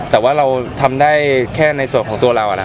แต่ว่าเราทำได้แค่ในส่วนของตัวเรา